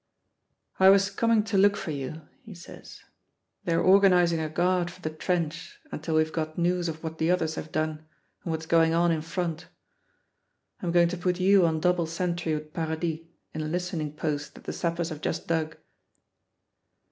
"I was coming to look for you," he says; "they're organizing a guard for the trench until we've got news of what the others have done and what's going on in front. I'm going to put you on double sentry with Paradis, in a listening post that the sappers have just dug."